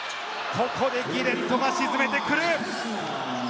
ここでギレントが沈めてくる。